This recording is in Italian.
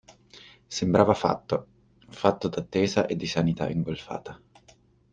Sembrava fatto: fatto d'attesa e di sanità ingolfata.